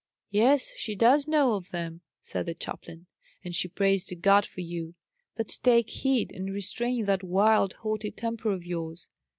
"Yes, she does know of them," said the chaplain; "and she prays to God for you. But take heed, and restrain that wild, haughty temper of yours.